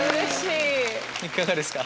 いかがですか？